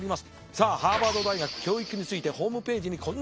さあハーバード大学教育についてホームページにこんな使命を掲げております。